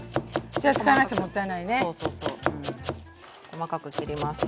細かく切ります。